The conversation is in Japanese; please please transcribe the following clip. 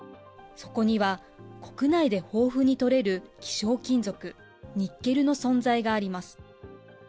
そこには国内で豊富にとれる希少金属、ニッケルの存在があります。